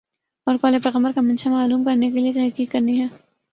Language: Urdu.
اور قولِ پیغمبر کا منشامعلوم کرنے کے لیے تحقیق کرنی ہے